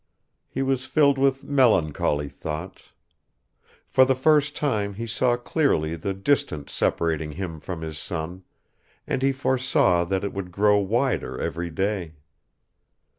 He was filled with melancholy thoughts. For the first time he saw clearly the distance separating him from his son and he foresaw that it would grow wider every day.